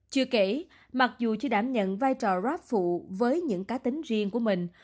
chưa kể mặc dù chưa đảm nhận vai trò rap phụ với những cá tính riêng của mình